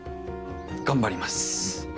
頑張ります。